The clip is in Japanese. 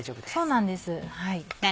そうなんですはい。